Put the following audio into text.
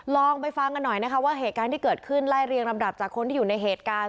ลองไปฟังกันหน่อยนะคะว่าเหตุการณ์ที่เกิดขึ้นไล่เรียงลำดับจากคนที่อยู่ในเหตุการณ์